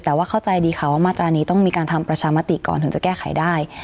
แต่ว่าเข้าใจดีค่ะว่ามาตรานี้ต้องมีการทำประชามติก่อนถึงจะแก้ไขได้